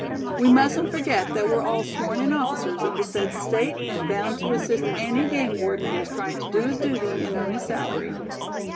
We mustn't forget that we're all sworn in officers of the said State, and bound to assist any game warden who is trying to do his duty, and earn his salary."